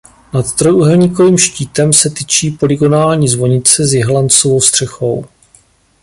Nad trojúhelníkovým štítem se tyčí polygonální zvonice s jehlancovou střechou.